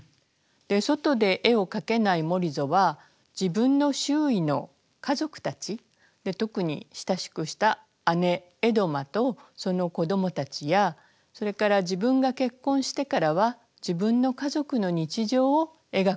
外で絵を描けないモリゾは自分の周囲の家族たち特に親しくした姉エドマとその子どもたちやそれから自分が結婚してからは自分の家族の日常を描くようになります。